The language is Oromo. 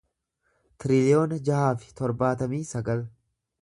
tiriliyoona jaha fi torbaatamii sagal